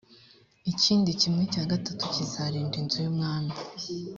ikindi kimwe cya gatatu kizarinda inzu y umwami